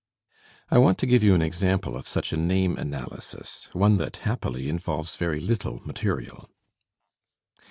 I want to give you an example of such a name analysis, one that, happily, involves very little material.